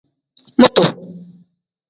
Mutu.